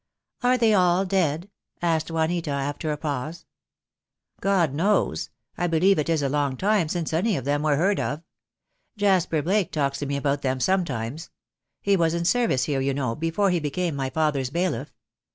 "Are they all dead?" asked Juanita, after a pause. "God knows. I believe it is a long time since any of them were heard of. Jasper Blake talks to me about them sometimes. He was in service here, you know, be fore he became my father's bailiff.